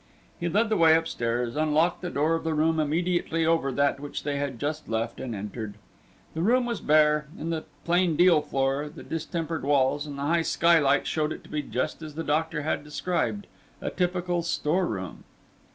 He led the way upstairs, unlocked the door of the room immediately over that which they had just left, and entered. The room was bare, and the plain deal floor, the distempered walls, and the high skylight showed it to be just as the doctor had described, a typical storeroom.